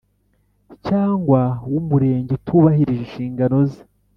cyangwa w Umurenge utubahirije inshingano ze